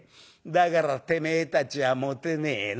だからてめえたちはモテねえの。